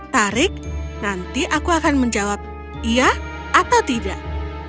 tarik nanti aku akan menjawab iya atau tidak